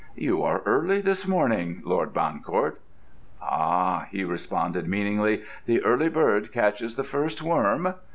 "You are early this morning, Lord Bancourt." "Ah," he responded meaningly, "the early bird catches the first worm."